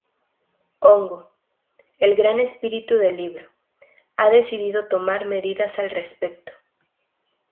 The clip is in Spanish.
Hongo, el gran espíritu del libro, ha decidido tomar medidas al respecto.